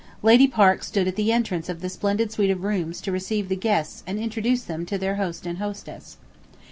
Lady Parke stood at the entrance of the splendid suite of rooms to receive the guests and introduce them to their host and hostess.